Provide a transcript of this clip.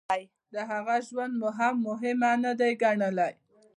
د هغه ژوند مو هم مهم نه دی ګڼلی.